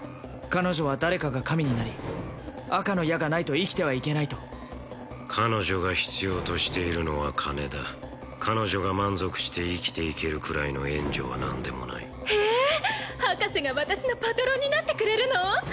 彼女は誰かが神になり赤の矢がないと生きてはいけないと彼女が必要としているのは金だ彼女が満足して生きていけるくらいの援助は何でもないへえ博士が私のパトロンになってくれるの？